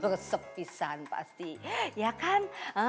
resepisan pasti ya kan